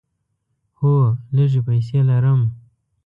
هو، لږې پیسې لرم